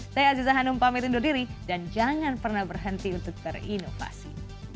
saya aziza hanum pamit undur diri dan jangan pernah berhenti untuk berinovasi